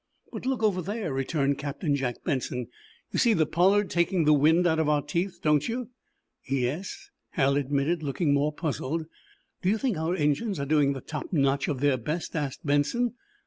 "But look over there," returned Captain Jack Benson. "You see the 'Pollard' taking the wind out of our teeth, don't you?" "Yes," Hal admitted, looking more puzzled. "Do you think our engines are doing the top notch of their best?" asked Benson.